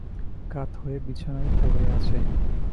কাত হয়ে বিছানায় পড়ে আছে।